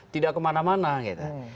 tidak kemana mana gitu